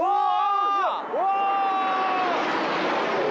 うわ！